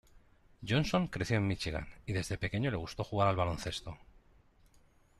Johnson creció en Míchigan, y desde pequeño le gustó jugar al baloncesto.